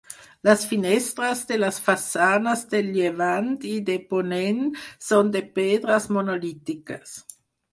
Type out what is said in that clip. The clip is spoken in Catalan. Les finestres de les façanes de llevant i de ponent són de pedres monolítiques.